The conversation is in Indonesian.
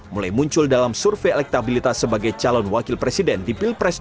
mulai muncul dalam survei elektabilitas sebagai calon wakil presiden di pilpres dua ribu sembilan belas